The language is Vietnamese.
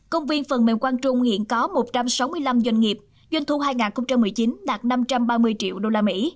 công viên phần mềm quang trung hiện có một trăm sáu mươi năm doanh nghiệp doanh thu hai nghìn một mươi chín đạt năm trăm ba mươi triệu usd